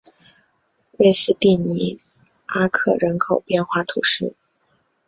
瑞斯蒂尼阿克人口变化图示